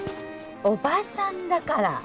おばさんだから。